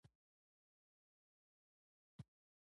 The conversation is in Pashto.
دوی باور لري چې داسې نظامونو تاسیس پیل دی.